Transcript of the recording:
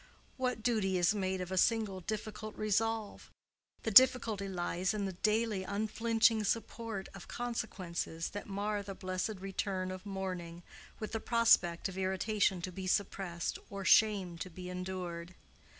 What duty is made of a single difficult resolve? The difficulty lies in the daily unflinching support of consequences that mar the blessed return of morning with the prospect of irritation to be suppressed or shame to be endured.